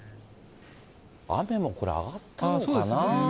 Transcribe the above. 雨もこれ、上がったのかな。